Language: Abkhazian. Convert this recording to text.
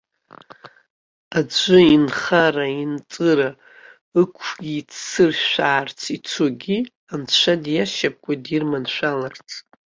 Аӡәы инхара-инҵыра ықәиццышәаарц ицогьы анцәа диашьапкуеит, дирманшәаларц.